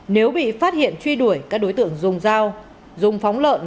nếu bị phát hiện truy đuổi các đối tượng dùng dao dùng phóng lợn